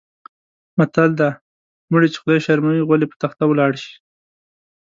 متل دی: مړی چې خدای شرموي غول یې په تخته ولاړ شي.